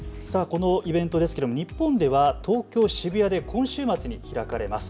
このイベントですが日本では東京渋谷で今週末に開かれます。